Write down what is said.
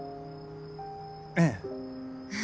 ええ。